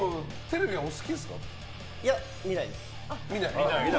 いや、見ないです。